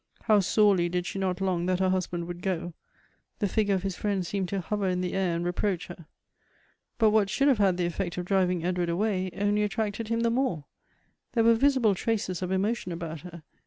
How sorely did she not long that her husband would go ; the figure of his friend seemed to hover in the air and reproach her. But what should have had the effect of driving 102^ GOETRF'S Edward away only attracted him the more. There were visible traces of emotion about her.